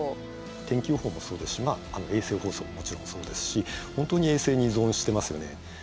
天気予報もそうですし衛星放送ももちろんそうですし本当に衛星に依存してますよね。